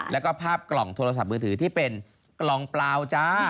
แล้วก็ภาพกล่องโทรศัพท์มือถือที่เป็นกล่องเปล่าจ้า